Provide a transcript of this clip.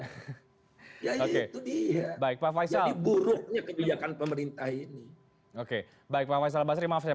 oke itu baik pak faisal buruknya kebijakan pemerintah ini oke baik pak faisal basri maaf saya